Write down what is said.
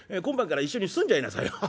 今晩から一緒に住んじゃいなさいよ」。